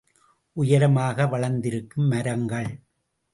உயரமாக வளர்ந்திருக்கும் மரங்கள்.